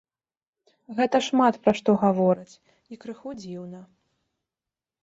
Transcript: Гэта шмат пра што гаворыць і крыху дзіўна.